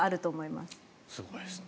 すごいですね。